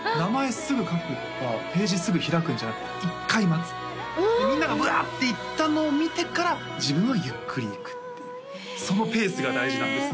すぐ書くとかページすぐ開くんじゃなくて一回待つみんながブワーッていったのを見てから自分はゆっくりいくっていうそのペースが大事なんですよ